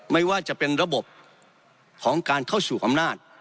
ไม่ว่าจะเป็นระบบของการเข้าสู่อำนาจ